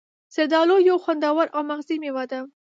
زردآلو یو خوندور او مغذي میوه ده.